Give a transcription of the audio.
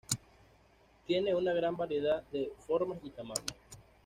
Tiene una gran variedad de formas y tamaños.